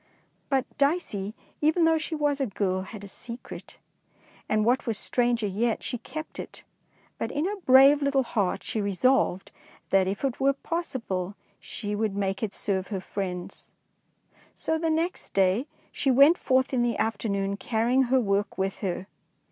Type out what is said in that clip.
^ But Dicey, even though she was a girl, had a secret, and, what was stranger yet, she kept it, but in her brave little heart she resolved that if it were pos sible she would make it serve her friends. So the next day she went forth in the afternoon carrying her work with her.